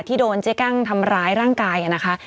โดนเจ๊กั้งทำร้ายร่างกายนะคะ